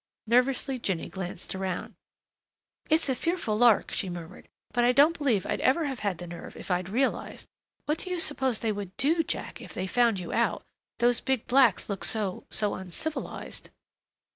Nervously Jinny glanced around. "It's a fearful lark," she murmured, "but I don't believe I'd ever have had the nerve if I'd realized.... What do you suppose they would do, Jack, if they found you out?... Those big blacks look so so uncivilized."